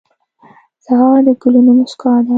سهار د ګلونو موسکا ده.